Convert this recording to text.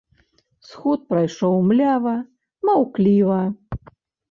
Сход прайшоў млява, маўкліва.